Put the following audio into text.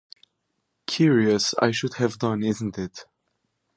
Curious I should have done, isn't it?